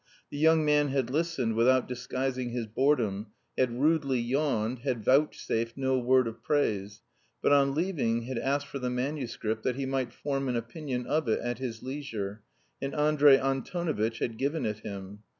The young man had listened without disguising his boredom, had rudely yawned, had vouchsafed no word of praise; but on leaving had asked for the manuscript that he might form an opinion of it at his leisure, and Andrey Antonovitch had given it him.